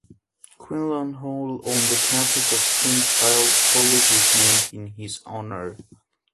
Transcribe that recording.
Quinlan Hall, on the campus of Spring Hill College, is named in his honor.